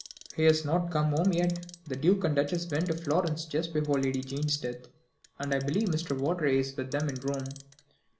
"He has not come home yet. The Duke and Duchess went to Florence just before Lady Jane's death, and I believe Mr. Vawdrey is with them in Rome.